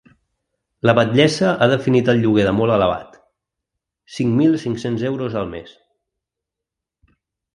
La batllessa ha definit el lloguer de ‘molt elevat’: cinc mil cinc-cents euros al mes.